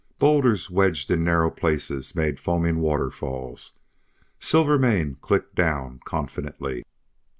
Bowlders wedged in narrow places made foaming waterfalls. Silvermane clicked down confidently.